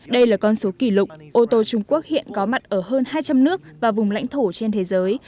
đây là con số kỷ lục ô tô trung quốc hiện có mặt ở hơn hai trăm linh nước và vùng lãnh thổ trên thế giới